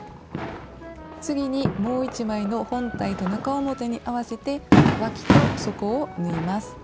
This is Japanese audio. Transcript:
次にもう１枚の本体と中表に合わせてわきと底を縫います。